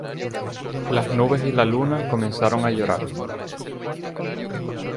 Las nubes y la luna comenzaron a llorar.